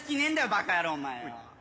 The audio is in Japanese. バカ野郎お前よ。